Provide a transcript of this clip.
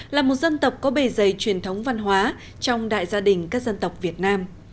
là một dân tộc có bề dày truyền thống văn hóa trong đại gia đình các dân tộc việt nam